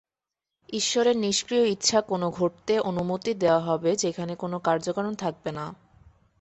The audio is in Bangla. ঈশ্বরের নিষ্ক্রিয় ইচ্ছা কোন ঘটতে অনুমতি দেওয়া হবে যেখান কোন কার্য কারণ থাকবে না।